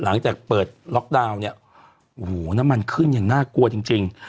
หลังจากเปิดล็อกดาวน์เนี่ยโอ้โหน้ำมันขึ้นอย่างน่ากลัวจริงจริง